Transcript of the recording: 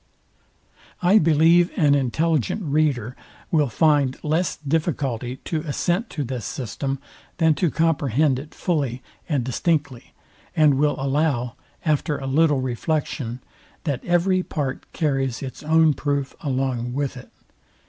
I believe an intelligent reader will find less difficulty to assent to this system, than to comprehend it fully and distinctly, and will allow, after a little reflection, that every part carries its own proof along with it.